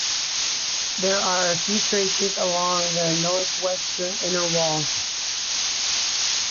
There are a few terraces along the northwestern inner wall.